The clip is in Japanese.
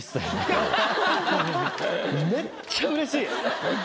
めっちゃ嬉しい。